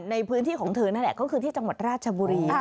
ในพื้นที่ของเธอนั่นแหละก็คือที่จังหวัดราชบุรี